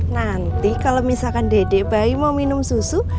nanti kalau misalkan dedek bayi mau minum susu